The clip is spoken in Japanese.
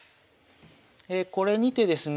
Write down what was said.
これにてですね